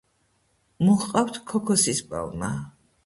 მოჰყავთ ქოქოსის პალმა.